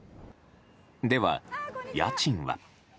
では、家賃は？